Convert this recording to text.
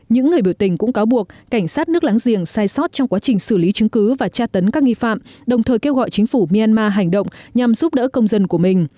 những người biểu tình cũng cáo buộc cảnh sát nước láng giềng sai sót trong quá trình xử lý chứng cứ và tra tấn các nghi phạm đồng thời kêu gọi chính phủ myanmar hành động nhằm giúp đỡ công dân của mình